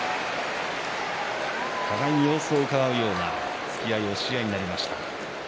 互いに様子をうかがうような突き合い、押し合いになりました。